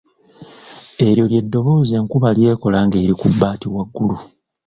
Eryo ly’eddoboozi enkuba ly’ekola ng’eri ku bbaati waggulu.